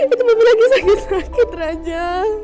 itu bebe lagi sakit sakit raja